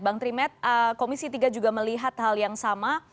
bang trimet komisi tiga juga melihat hal yang sama